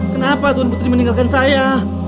kenapa tun putri meninggalkan saya